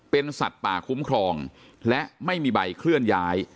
เป็นสัตว์ป่าคุ้มครองและไม่มีใบเคลื่อนย้าย